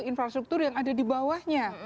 infrastruktur yang ada di bawahnya